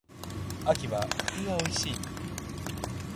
秋は栗が美味しい